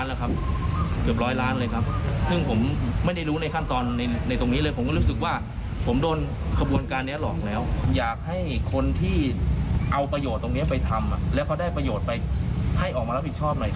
แล้วก็เหมือนว่าเอาเรามาปล่อยทิ้งความแล้วก็หายไปเลย